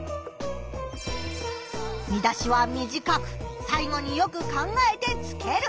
見出しは短く最後によく考えてつける。